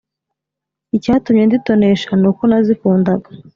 Icyatumye nditonesha nuko nazikundaga